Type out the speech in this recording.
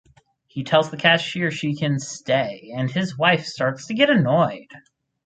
He tells the cashier she can stay and his wife starts to get annoyed.